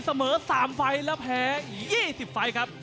เสมอ๓ไฟล์แล้วแพ้๒๐ไฟล์ครับ